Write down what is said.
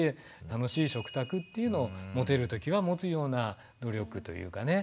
楽しい食卓っていうのを持てる時は持つような努力というかね。